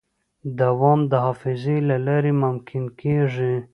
دوام د حافظې له لارې ممکن کېږي.